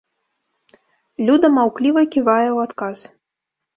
Люда маўкліва ківае ў адказ.